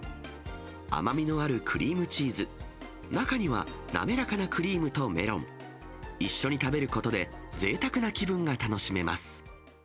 甘みのあるクリームチーズ、中には滑らかなクリームとメロン、一緒に食べることで、ぜいたくな気分が楽しめます。